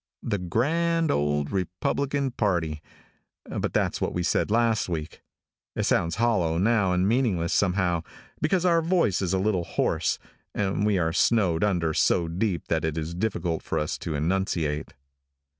The grand old Republican party But that's what we said last week. It sounds hollow now and meaningless, somehow, because our voice is a little hoarse, and we are snowed under so deep that it is difficult for us to enunciate.